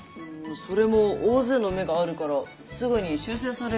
それも大勢の目があるからすぐに修正されるんじゃないかな。